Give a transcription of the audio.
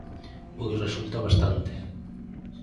Pois resulta bastante.